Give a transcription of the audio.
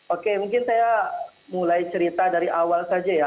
oke mungkin saya mulai cerita dari awal saja ya